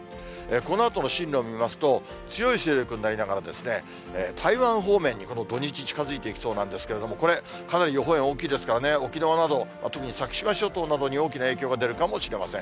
このあとの進路を見ますと、強い勢力になりながら、台湾方面に、この土日にちかづいてきそうなんですけれどもこれ、かなり予報円大きいですからね、沖縄など、特に先島諸島などに大きな影響が出るかもしれません。